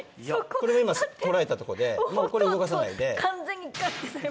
これが今捉えたとこでこれ動かさないで。